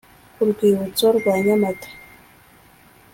Ku Rwibutso rwa Nyamata